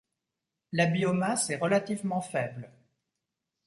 La biomasse est relativement faible.